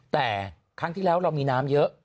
มันมีไม่มีน้ำ